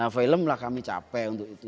film lah kami capek untuk itu